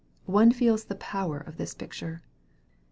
One feels the power of this picture.